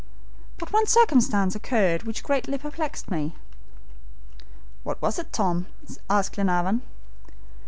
But one circumstance occurred which greatly perplexed me." "What was it, Tom?" asked Glenarvan.